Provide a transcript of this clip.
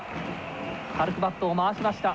軽くバットを回しました。